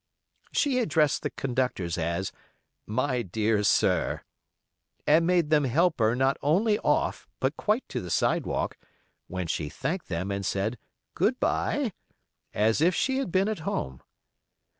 She addressed the conductors as, "My dear sir", and made them help her not only off, but quite to the sidewalk, when she thanked them, and said "Good by", as if she had been at home.